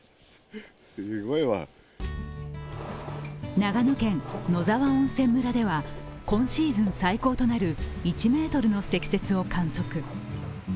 長野県野沢温泉村では今シーズン最高となる１ｍの積雪を観測。